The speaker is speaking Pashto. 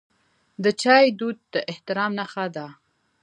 د چای دود د احترام نښه ده.